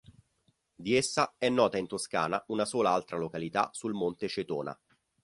Di essa è nota in Toscana una sola altra località sul Monte Cetona.